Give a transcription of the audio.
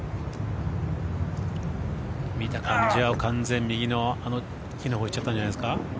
見た感じは完全右のあの木のほうに行っちゃったんじゃないですか。